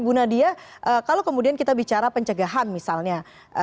bu nadia kalau kemudian kita bicara pencegahan misalnya